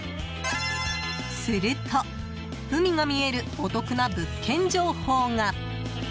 すると、海が見えるお得な物件情報が。